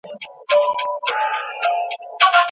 که حقيقي عايد کم وي نو د ژوند سطحه ټيټيږي.